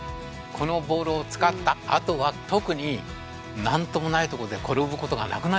このボールを使ったあとは特になんともないとこで転ぶ事がなくなりましたから。